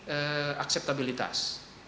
yang pertama adalah akseptabilitas